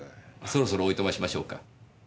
そろそろおいとましましょうか。